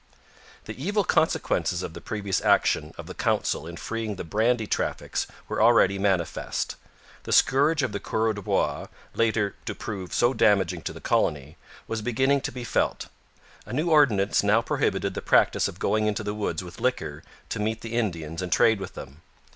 The evil consequences of the previous action of the council in freeing the brandy traffic were already manifest. The scourge of the coureurs de bois, later to prove so damaging to the colony, was beginning to be felt. A new ordinance now prohibited the practice of going into the woods with liquor to meet the Indians and trade with them.